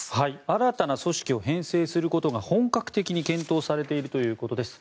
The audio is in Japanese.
新たな組織を編成することが本格的に検討されているということです。